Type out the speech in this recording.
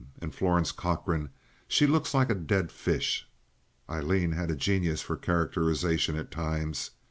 And Florence Cochrane—she looks like a dead fish!" (Aileen had a genius for characterization at times.)